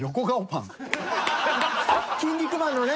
「キン肉マン」のね。